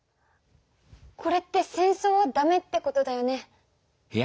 これって戦争はダメってことだよね？